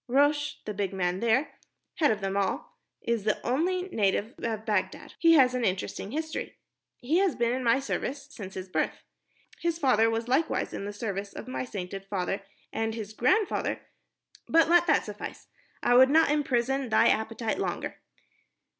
Rosh, the big man there, head of them all, is the only native of Bagdad. He has an interesting history. He has been in my service since his birth. His father was likewise in the service of my sainted father, and his grandfather.... But let that suffice. I would not imprison thy appetite longer.